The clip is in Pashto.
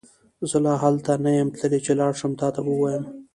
زه لا هلته نه يم تللی چې لاړشم تا ته به وويم